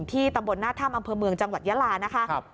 ตำบลหน้าถ้ำอำเภอเมืองจังหวัดยาลานะคะ